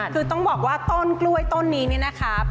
คือต้องบอกว่าต้นกล้วยต้นนี้เนี่ยนะครับ